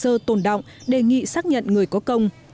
hồ sơ tồn động đề nghị xác nhận người có công